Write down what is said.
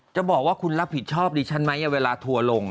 จะบอกว่าคุณรับผิดชอบดิฉันไหมเวลาทัวร์ลง